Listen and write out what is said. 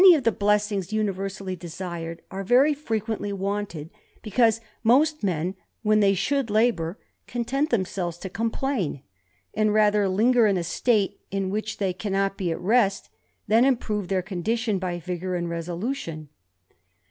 the blessings universally desired, are very wanted, because most men, when they should itenl themselves to complain, and rather linger in thich they cannot be at rest, than improve their jy vigour and resolution.